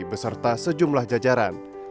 beserta sejumlah jajaran